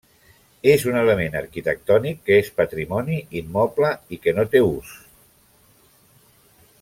És un element arquitectònic que és patrimoni immoble i que no té ús.